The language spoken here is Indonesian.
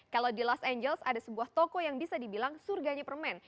kalau di los angeles ada sebuah toko yang bisa dibilang surganya permen